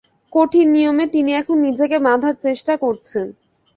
কঠিন নিয়মে তিনি এখন নিজেকে বাঁধার চেষ্টা করছেন।